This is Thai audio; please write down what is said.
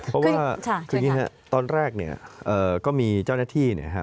เพราะว่าตอนแรกก็มีเจ้าหน้าที่